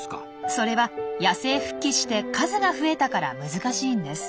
それは野生復帰して数が増えたから難しいんです。